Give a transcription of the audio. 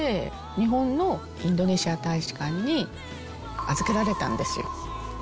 日本のインドネシア大使館に預けられたんですよ。